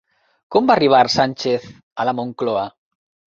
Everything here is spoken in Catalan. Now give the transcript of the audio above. Com va arribar Sánchez a la Moncloa?